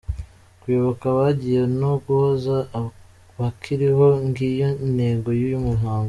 Kwibuka abagiye no guhoza abakiriho , ng’iyo intego y’uyu muhango.